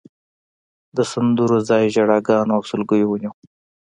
د سندرو ځای ژړاګانو او سلګیو ونیو.